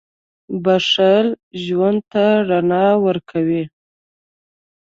• بښل ژوند ته رڼا ورکوي.